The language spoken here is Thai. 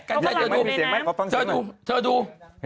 กันได้เธอดูเธอดู